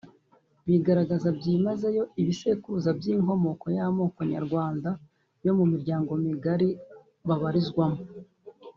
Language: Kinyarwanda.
bigaragaza byimazeyo Ibisekuruza by’inkomoko y’amoko y’Abanyarwanda yo mu miryango migari babarizwamo